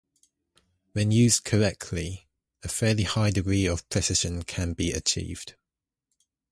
When used correctly, a fairly high degree of precision can be achieved.